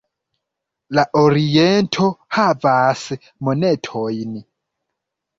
La oriento havas montojn.